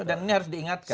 dan ini harus diingatkan